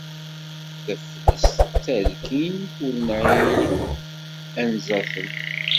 Taflest d talkint ur neɛi anzaten.